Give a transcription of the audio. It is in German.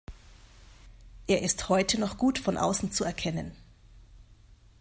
Er ist heute noch gut von außen zu erkennen.